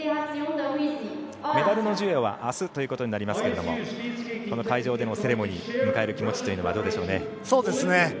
メダルの授与はあすということになりますけれども会場でのセレモニーを迎える気持ちってどうでしょうね。